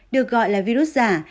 được gọi là virus giả